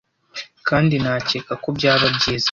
kandi nakeka ko byaba byiza